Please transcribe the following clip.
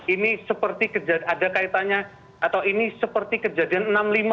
ini seperti ada kaitannya atau ini seperti kejadian enam puluh lima